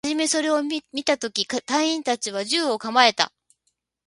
はじめそれを見たとき、隊員達は銃を構えた